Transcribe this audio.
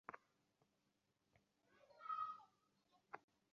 প্রথমে ইহা ইচ্ছাসহ কৃত ছিল, পরে উহাতে আর ইচ্ছার প্রয়োজন রহিল না।